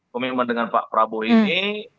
komitmen dengan pak prabowo ini